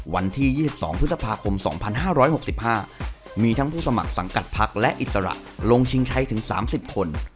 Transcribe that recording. วันที่๒๒พฤษภาคม๒๕๖๕มีทั้งผู้สมัครสังกัดพักและอิสระลงชิงใช้ถึง๓๐คน